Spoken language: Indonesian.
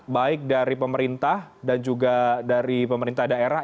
baik dari pemerintah dan juga dari pemerintah daerah